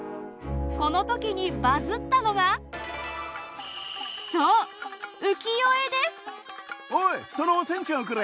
この時にバズったのがおいそのお仙ちゃんをくれ！